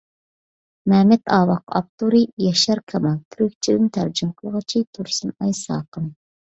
مەمەت ئاۋاق ئاپتورى: ياشار كامال تۈركچىدىن تەرجىمە قىلغۇچى: تۇرسۇنئاي ساقىم